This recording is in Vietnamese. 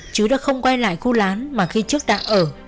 chứ đã không quay lại khu lán mà khi trước đã ở